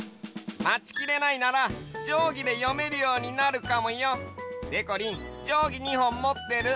まちきれないならじょうぎで読めるようになるかもよ。でこりんじょうぎ２ほんもってる？